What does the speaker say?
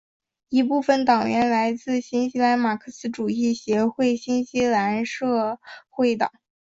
一部分党员来自于新西兰马克思主义协会和新西兰社会党。